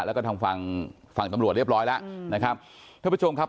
แล้วก็ทางฝั่งฝั่งตำรวจเรียบร้อยแล้วนะครับท่านผู้ชมครับ